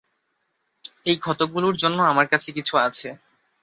এই ক্ষতগুলোর জন্য আমার কাছে কিছু আছে।